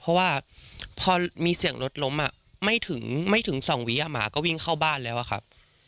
เพราะว่าพอมีเสียงรถล้มไม่ถึงไม่ถึง๒วิหมาก็วิ่งเข้าบ้านแล้วอะครับ